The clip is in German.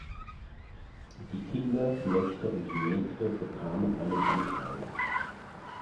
Die Kinder, Knechte und Mägde bekamen einen Anteil.